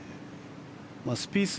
スピース